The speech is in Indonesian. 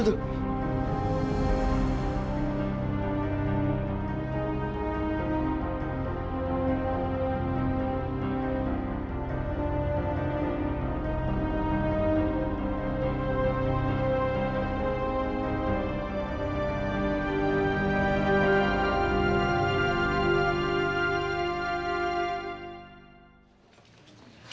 oh apaan sih